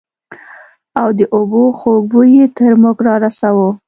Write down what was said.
او د اوبو خوږ بوى يې تر موږ رارساوه.